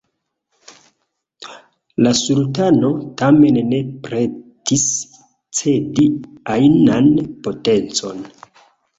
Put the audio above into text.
La Sultano, tamen, ne pretis cedi ajnan potencon.